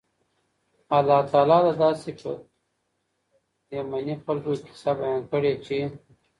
الله تعالی د داسي يَمَني خلکو قيصه بیانه کړي چې